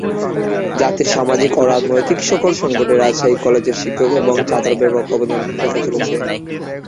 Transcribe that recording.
জাতির সামাজিক ও রাজনৈতিক সকল সংকটে রাজশাহী কলেজের শিক্ষক এবং ছাত্র ব্যাপক অবদান রেখে চলেছে।